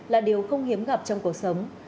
là điều không hiếm gặp trong cuộc sống